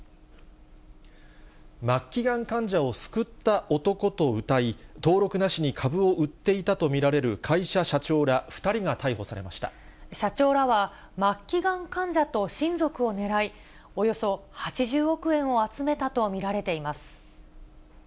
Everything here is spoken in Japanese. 末期がん患者を救った男とうたい、登録なしに株を売っていたと見られる会社社長ら２人が逮捕されま社長らは、末期がん患者と親族をねらい、およそ８０億円を集めたと見られています。